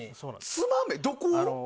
つまめ、どこを？